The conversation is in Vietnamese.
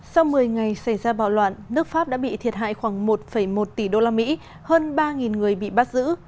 sau một mươi ngày xảy ra bạo loạn nước pháp đã bị thiệt hại khoảng một một tỷ đô la mỹ hơn ba người bị bắt giữ